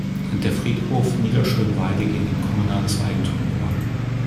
Der Friedhof Niederschöneweide ging in kommunales Eigentum über.